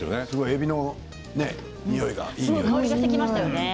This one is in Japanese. えびのにおいがいいですね。